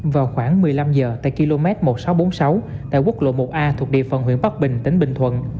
vào khoảng một mươi năm h tại km một nghìn sáu trăm bốn mươi sáu tại quốc lộ một a thuộc địa phận huyện bắc bình tỉnh bình thuận